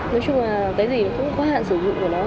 nói chung là làm cái gì cũng có hạn sử dụng của nó